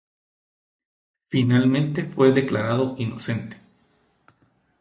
Finalmente fue declarado inocente.